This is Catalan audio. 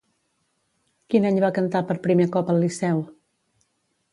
Quin any va cantar per primer cop al Liceu?